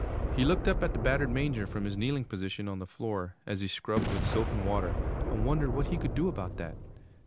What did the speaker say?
He looked up at the battered manger, from his kneeling position on the floor, as he scrubbed with soap and water, and wondered what he could do about that.